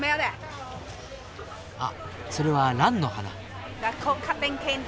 あっそれはランの花。